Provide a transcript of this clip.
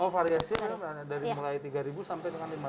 oh variasi ya dari mulai rp tiga sampai rp lima ya